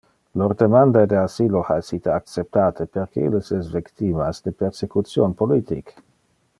Lor demanda de asylo ha essite acceptate, perque illes es victimas de persecution politic.